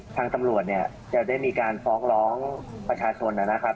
ทางตำรวจเนี่ยจะได้มีการฟ้องร้องประชาชนนะครับ